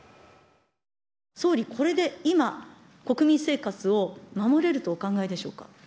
総理、これで、今、国民生活を守れるとお考えでしょうか。